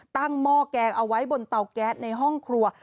หม้อแกงเอาไว้บนเตาแก๊สในห้องครัว